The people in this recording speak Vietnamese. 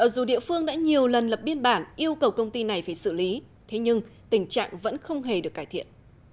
dù địa phương đã nhiều lần lập biên bản yêu cầu công ty này phải xử lý thế nhưng tình trạng vẫn không hề được cải thiện